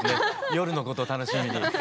夜のこと楽しみに。